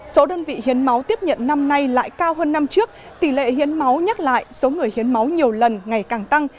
số đơn vị hiến máu tiếp nhận năm nay lại cao hơn năm trước tỷ lệ hiến máu nhắc lại số người hiến máu nhiều lần ngày càng tăng